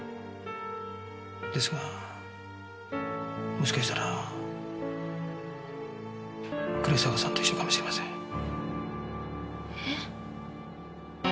ですがもしかしたら暮坂さんと一緒かもしれません。